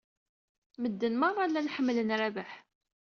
Medden meṛṛa llan ḥemmlen Rabaḥ.